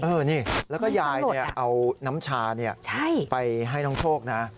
นี่แล้วก็ยายเอาน้ำชาไปให้น้องโชคนะ